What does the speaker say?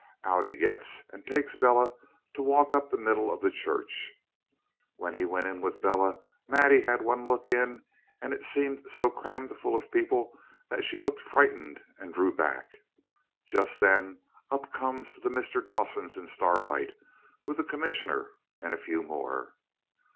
Out he gets, and takes Bella to walk up the middle of the church. When he went in with Bella, Maddie had one look in, and it seemed so crammed full of people that she looked frightened and drew back. Just then up comes the Mr. Dawsons and Starlight, with the Commissioner and a few more.